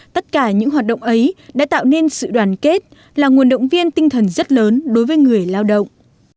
tất cả những hoạt động ấy đã tạo nên sự đoàn kết là nguồn động viên tinh thần rất lớn đối với người lao động